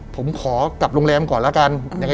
ผมขอกลับโรงแรมก่อนแล้วกัน